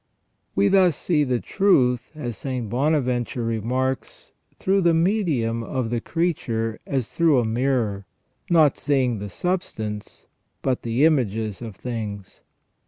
We thus see the truth, as St. Bonaventure remarks, through the medium of the creature as through a mirror, not seeing the substance but the images of things.